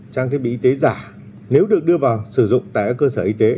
trang thiết bị y tế giả nếu được đưa vào sử dụng tại các cơ sở y tế